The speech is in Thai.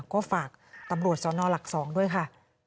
ก็ฝากตำรวจสนหลัก๒ด้วยค่ะ